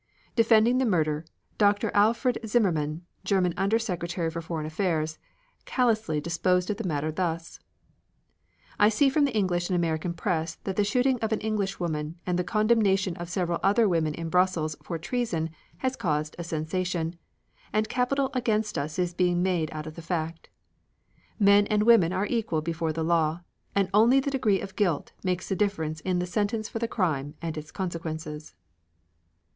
Defending the murder, Dr. Alfred Zimmermann, German Under Secretary for Foreign Affairs, callously disposed of the matter thus: "I see from the English and American press that the shooting of an Englishwoman and the condemnation of several other women in Brussels for treason has caused a sensation, and capital against us is being made out of the fact. Men and women are equal before the law, and only the degree of guilt makes a difference in the sentence for the crime and its consequences."